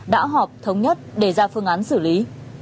đã họp thống nhất để ra phương án xử lý